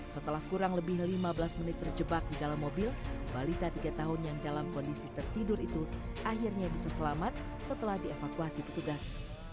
setelah kurang lebih lima belas menit terjebak di dalam mobil balita tiga tahun yang dalam kondisi tertidur itu akhirnya bisa selamat setelah dievakuasi petugas